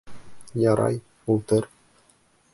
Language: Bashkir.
Ярай, ултыр.